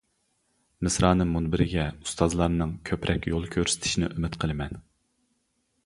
مىسرانىم مۇنبىرىگە ئۇستازلارنىڭ كۆپرەك يول كۆرسىتىشنى ئۈمىد قىلىمەن.